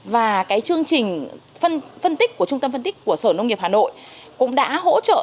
và cái chương trình phân tích của trung tâm phân tích của sở nông nghiệp hà nội cũng đã hỗ trợ